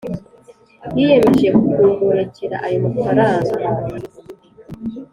yiyemejeje kumurekera ayo mafaranga